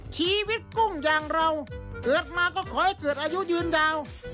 ชีวิตกุ้งอย่างเราเกิดมาก็ขอให้เกิดอายุยืนยาว